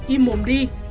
im mồm đi